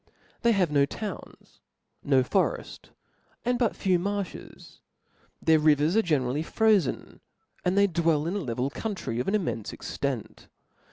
They have no towns, no foreftsy and but few marlhes; their rivers are generally frozen, and they dwell rn a level country of an immcnfe extent.